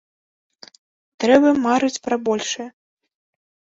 Трэба марыць пра большае.